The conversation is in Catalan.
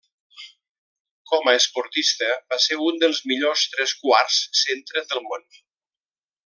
Com a esportista va ser un dels millors tres-quarts centre del món.